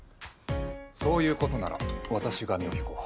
そういうことなら私が身を引こう。